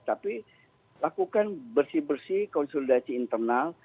tapi lakukan bersih bersih konsolidasi internal